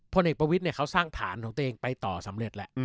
พลเอกประวิทย์เขาสร้างฐานของตัวเองไปต่อสำเร็จแล้ว